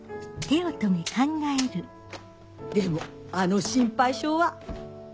でもあの心配性は。